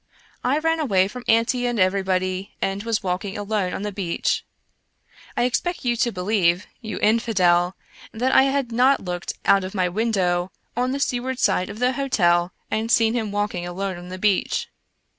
I ran away from Auntie and everybody, and was walking alone on the beach. I expect you to believe, you infidel! that I had not looked out of my window on the seaward side of the hotel and seen him walking alone on the beach.